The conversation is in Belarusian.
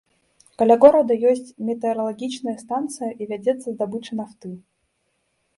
Каля горада ёсць метэаралагічная станцыя і вядзецца здабыча нафты.